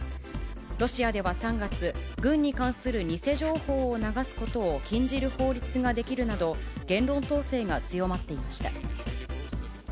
ロシアでは３月、軍に関する偽情報を流すことを禁じる法律が出来るなど、言論統制が強まっていました。